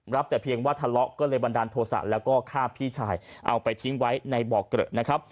แต่เพียงว่าทะเลาะก็เลยบันดาลโทษะแล้วก็ฆ่าพี่ชายเอาไปทิ้งไว้ในบ่อเกลอะนะครับ